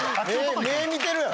目ぇ見てるやろ！